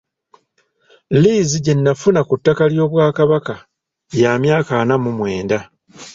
Liizi gye nafuna ku ttaka ly'Obwakabaka ya myaka ana mu mwenda.